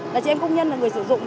là chị em công nhân là người sử dụng